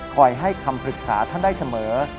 ให้คำปรึกษาท่านได้เสมอ